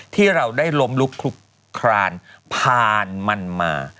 ที่เราได้ล้มลุกคลุกคลานผ่านมันมา